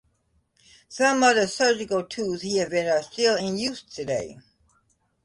Some of the surgical tools he invented are still in use today.